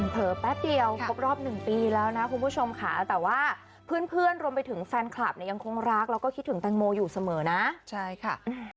แป๊บเดียวครบรอบหนึ่งปีแล้วนะคุณผู้ชมค่ะแต่ว่าเพื่อนรวมไปถึงแฟนคลับเนี่ยยังคงรักแล้วก็คิดถึงแตงโมอยู่เสมอนะใช่ค่ะ